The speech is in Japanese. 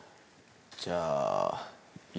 じゃあ。